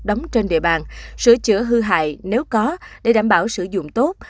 đóng trên địa bàn sửa chữa hư hại nếu có để đảm bảo sử dụng tốt